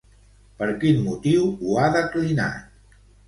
Per quin motiu ho ha declinat?